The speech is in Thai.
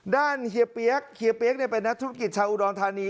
เฮียเปี๊ยกเฮียเปี๊ยกเป็นนักธุรกิจชาวอุดรธานี